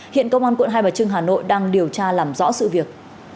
hiện công an quận hai bà trưng hà nội đang điều tra làm rõ sự việc